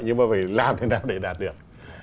nhưng mà phải làm thế nào để đạt được